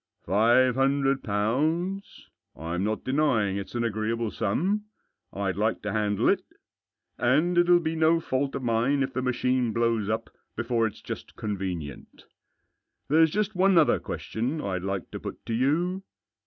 " Five hundred pounds ? I'm not denying it's an agreeable sum. I'd like to handle it. And it'll be no fault of mine if the machine blows up before it's just convenient There's just one other question I'd like to put to you.